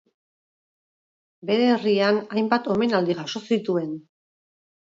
Bere herrian hainbat omenaldi jaso zituen.